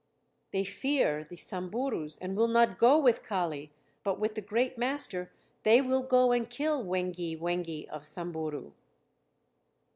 "They fear the Samburus and will not go with Kali, but with the great master they will go and kill 'wengi, wengi' of Samburu."